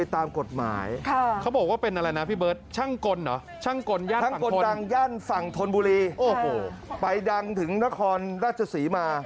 ทนบุรีไปดังถึงนครรัชศรีมา